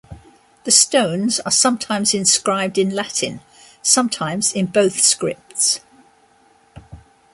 The stones are sometimes inscribed in Latin, sometimes in both scripts.